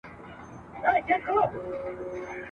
او ویل یې چي د جوزجان ولایت ..